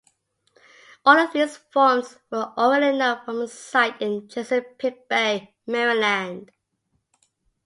All of these forms were already known from a site in Chesapeake Bay, Maryland.